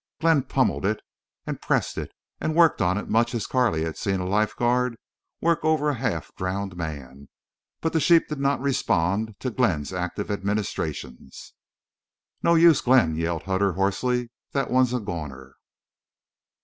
Glenn pummeled it and pressed it, and worked on it much as Carley had seen a life guard work over a half drowned man. But the sheep did not respond to Glenn's active administrations. "No use, Glenn," yelled Hutter, hoarsely. "That one's a goner."